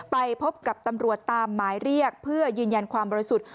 ไปพบกับตำรวจตามหมายเรียกเพื่อยืนยันความบริสุทธิ์